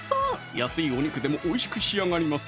安いお肉でもおいしく仕上がります